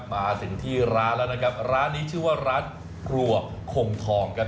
มาถึงที่ร้านแล้วนะครับร้านนี้ชื่อว่าร้านครัวคงทองครับ